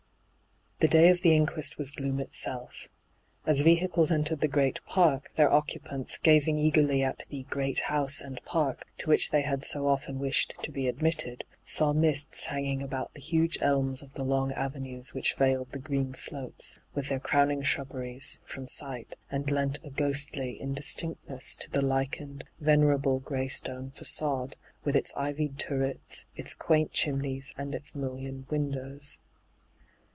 The day of the inquest was gloom itself. As vehicles entered the great park, their occu pants, gasing eagerly at the ' great house ' and park, to which they bad so often wished to be admitted, saw mists hanging about the huge elms of the long avenues which veiled the green slopes, with their crowning shrub beries, from sight, and lent a ghostly indistinct ness to the lichened, venerable graystone facade, with Its ivied turrets, its quaint chim neys, and its muUioned windows.